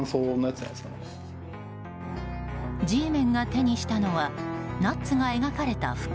Ｇメンが手にしたのはナッツが描かれた袋。